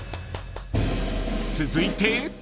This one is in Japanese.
［続いて］